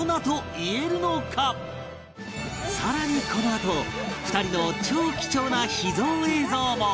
更にこのあと２人の超貴重な秘蔵映像も